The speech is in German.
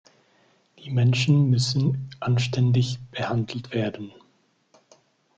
Die Menschen müssen anständig behandelt werden.